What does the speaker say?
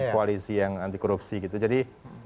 koalisi yang anti korupsi gitu jadi